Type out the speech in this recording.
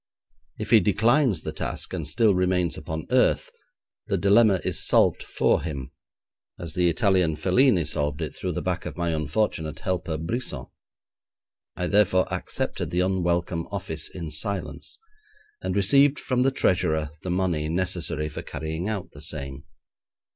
If he declines the task and still remains upon earth, the dilemma is solved for him, as the Italian Felini solved it through the back of my unfortunate helper Brisson. I therefore accepted the unwelcome office in silence, and received from the treasurer the money necessary for carrying out the same.